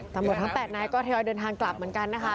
ทั้ง๘นายก็ทยอยเดินทางกลับเหมือนกันนะคะ